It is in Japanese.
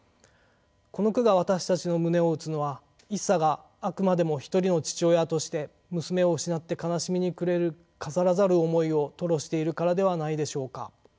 この句が私たちの胸を打つのは一茶があくまでも一人の父親として娘を失って悲しみに暮れる飾らざる思いを吐露しているからではないでしょうか。